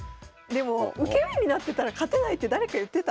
でも受け身になってたら勝てないって誰か言ってた。